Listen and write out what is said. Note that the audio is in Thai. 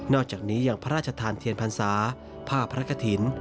อกจากนี้ยังพระราชทานเทียนพรรษาผ้าพระกฐิน